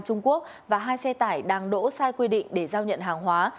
trung quốc và hai xe tải đang đỗ sai quy định để giao nhận hàng hóa